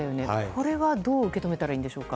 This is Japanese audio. これはどう受け止めたらいいでしょうか？